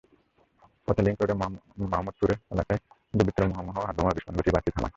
পথে লিংক রোডের মাহমুদপুর এলাকায় দুর্বৃত্তরা মুহুর্মুহু হাতবোমার বিস্ফোরণ ঘটিয়ে বাসটি থামায়।